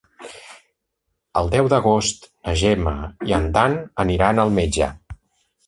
El deu d'agost na Gemma i en Dan aniran al metge.